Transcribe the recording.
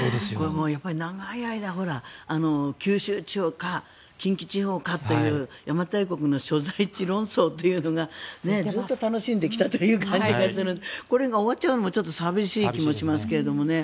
長い間、九州地方か近畿地方かという邪馬台国の所在地論争というのがずっと楽しんできたという感じがするんですがこれが終わっちゃうのもちょっと寂しい気もしますよね。